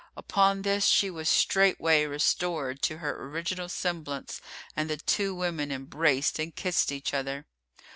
Upon this she was straightway restored to her original semblance and the two women embraced and kissed each other.